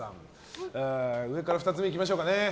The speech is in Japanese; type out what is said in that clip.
上から２つ目いきましょうか。